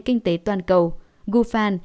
kinh tế toàn cầu gu fan